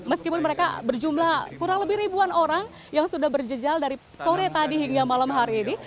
meskipun mereka berjumlah kurang lebih ribuan orang yang sudah berjejal dari sore tadi hingga malam hari ini